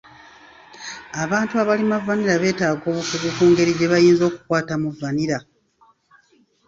Abantu abalima vanilla beetaaga obukugu ku ngeri gye bayinza okukwatamu vanilla.